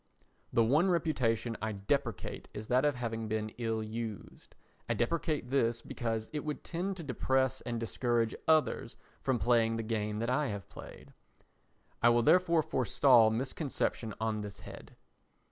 The one reputation I deprecate is that of having been ill used. I deprecate this because it would tend to depress and discourage others from playing the game that I have played. I will therefore forestall misconception on this head.